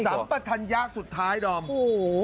สามประทัญญากสุดท้ายดอมโอ้โฮ